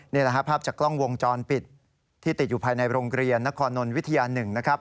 นี่แหละครับภาพจากกล้องวงจรปิดที่ติดอยู่ภายในโรงเรียนนครนนทวิทยา๑นะครับ